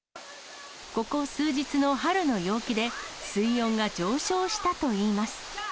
ここ数日の春の陽気で、水温が上昇したといいます。